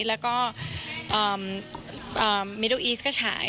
แล้วก็เมโดอีสก็ฉาย